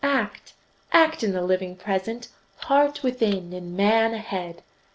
Act act in the living Present. Heart within, and Man ahead!